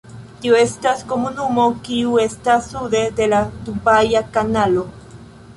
Tiu estas komunumo kiu estas sude de la Dubaja Kanalo.